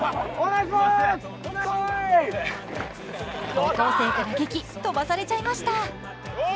高校生からげき、飛ばされちゃいました。